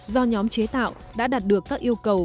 do nhóm chế tạo đã đạt được các yêu cầu